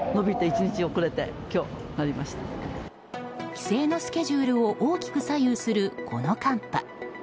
帰省のスケジュールを大きく左右する、この寒波。